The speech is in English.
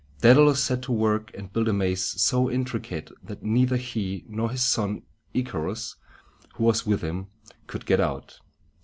Dædalus set to work and built a maze so intricate that neither he nor his son Ic´a rus, who was with him, could get out.